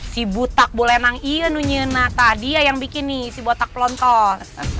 si butak bulenang iya nunyi nah tadi ya yang bikin nih si butak pelontos